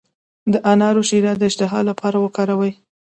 د انار شیره د اشتها لپاره وکاروئ